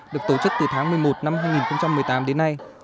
được tổ chức từ tháng một mươi một năm hai nghìn một mươi tám đến nay